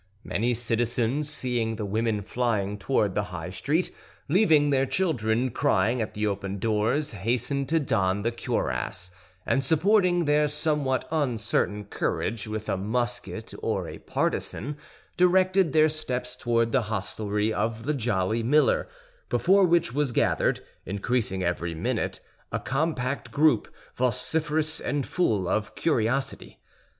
Many citizens, seeing the women flying toward the High Street, leaving their children crying at the open doors, hastened to don the cuirass, and supporting their somewhat uncertain courage with a musket or a partisan, directed their steps toward the hostelry of the Jolly Miller, before which was gathered, increasing every minute, a compact group, vociferous and full of curiosity.